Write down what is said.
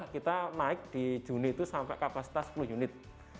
kita naik di juni itu sampai kapasitas sepuluh unit